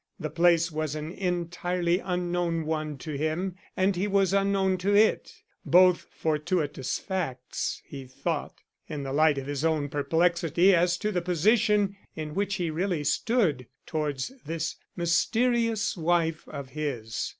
The place was an entirely unknown one to him and he was unknown to it. Both fortuitous facts, he thought, in the light of his own perplexity as to the position in which he really stood towards this mysterious wife of his.